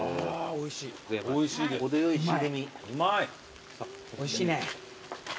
おいしいね。